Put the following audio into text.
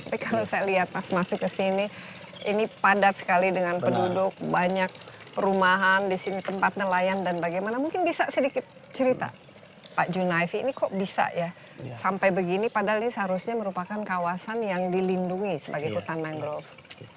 tapi kalau saya lihat pas masuk ke sini ini padat sekali dengan penduduk banyak perumahan di sini tempat nelayan dan bagaimana mungkin bisa sedikit cerita pak junaifi ini kok bisa ya sampai begini padahal ini seharusnya merupakan kawasan yang dilindungi sebagai hutan mangrove